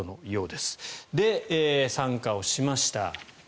で、参加しました。